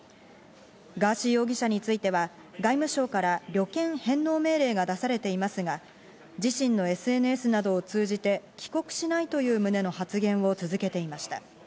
ガーシー容疑者については、外務省から旅券返納命令が出されていますが、自身のＳＮＳなどを通じて帰国しないという旨の発言を続けていました。